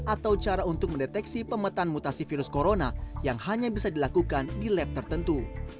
atau cara untuk mendeteksi pemetaan mutasi virus corona yang hanya bisa dilakukan di lab tertentu